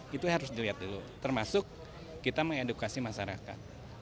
kita lihat dulu termasuk kita mengedukasi masyarakat